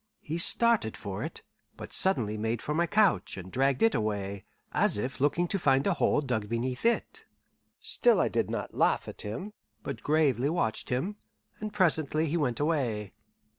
He started for it, but suddenly made for my couch, and dragged it away, as if looking to find a hole dug beneath it. Still I did not laugh at him, but gravely watched him; and presently he went away.